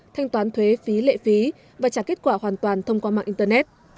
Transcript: thanh toán thuế phí lệ phí và trả kết quả hoàn toàn thông qua mạng internet